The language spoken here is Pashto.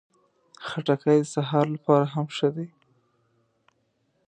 خټکی د سهار لپاره هم ښه ده.